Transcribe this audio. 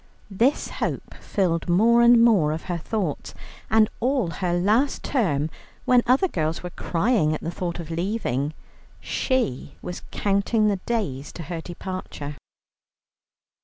This hope filled more and more of her thoughts, and all her last term, when other girls were crying at the thought of leaving, she was counting the days to her departure.